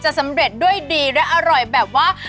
สำเร็จด้วยดีและอร่อยแบบว่า